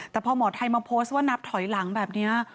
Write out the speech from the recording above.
แต่พอหมอไทยมาโพสต์ว่านับถอยหลังแบบนี้